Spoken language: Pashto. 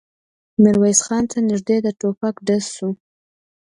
ميرويس خان ته نږدې د ټوپک ډز شو.